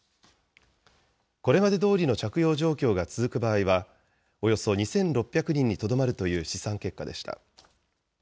これまでどおりの着用状況が続く場合は、およそ２６００人にとどまるという試算結果でした。